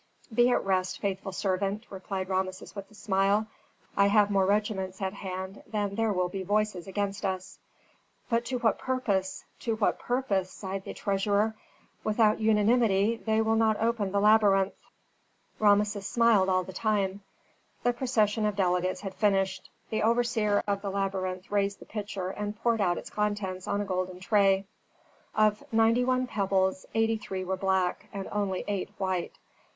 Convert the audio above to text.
"Be at rest, faithful servant," replied Rameses with a smile. "I have more regiments at hand than there will be voices against us." "But to what purpose? to what purpose?" sighed the treasurer; "without unanimity they will not open the labyrinth." Rameses smiled all the time. The procession of delegates had finished. The overseer of the labyrinth raised the pitcher and poured out its contents on a golden tray. Of ninety one pebbles eighty three were black and only eight white.